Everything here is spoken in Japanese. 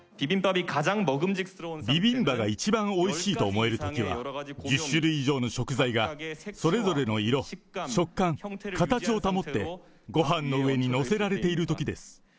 ビビンバが一番おいしいと思えるときは、１０種類以上の食材が、それぞれの色、食感、形を保って、ごはんの上に載せられているときです。